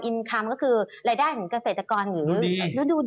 พี่หนิงครับส่วนตอนนี้เนี่ยนักลงทุนแล้วนะครับเพราะว่าระยะสั้นรู้สึกว่าทางสะดวกนะครับ